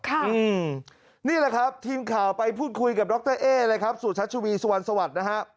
ค่ะอืมนี่แหละครับทีมข่าวไปพูดคุยกับดรเอ้ยเลยครับสุชัชวีสวัสดิ์นะครับ